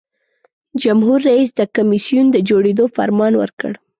جمهور رئیس د کمیسیون د جوړیدو فرمان ورکړ.